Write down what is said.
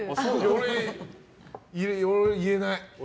俺、言えない。